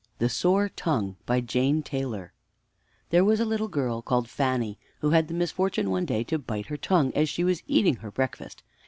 _ THE SORE TONGUE By JANE TAYLOR There was a little girl called Fanny, who had the misfortune one day to bite her tongue as she was eating her breakfast.